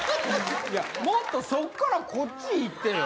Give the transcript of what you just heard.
もっとそっからこっち行ってよ。